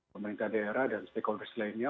pemerintah daerah dan stakeholders lainnya